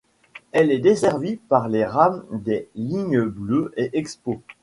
Elle est desservie par les rames des lignes bleue et Expo.